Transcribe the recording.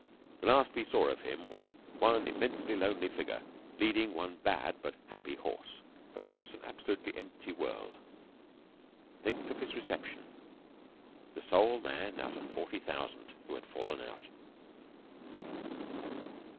The last we saw of him was one immensely lonely figure leading one bad but happy horse across an absolutely empty world. Think of his reception the sole man of 40,000 who had fallen out!